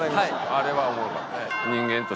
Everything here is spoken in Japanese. あれはおもろかった。